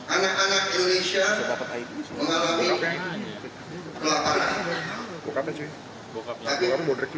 anak anak indonesia mengalami kelaparan